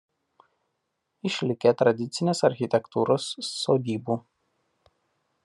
Išlikę tradicinės architektūros sodybų.